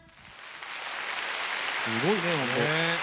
すごいね本当。